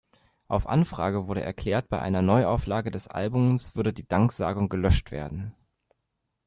Auf Anfrage wurde erklärt, bei einer Neuauflage des Albums würde die Danksagung gelöscht werden.